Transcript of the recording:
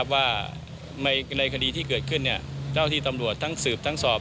ว่าในคดีที่เกิดขึ้นเจ้าที่ตำรวจทั้งสืบทั้งสอบ